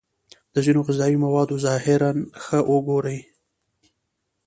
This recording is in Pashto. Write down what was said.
د ځینو غذايي موادو ظاهر ښه وگورئ.